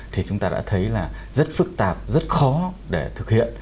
thì chúng ta đã thấy là rất phức tạp rất khó để thực hiện